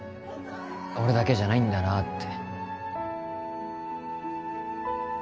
俺だけじゃないんだなって